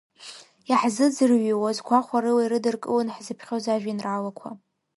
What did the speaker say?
Иаҳзыӡырҩуаз гәахәарыла ирыдыркылон ҳзыԥхьоз ажәеинраалақәа.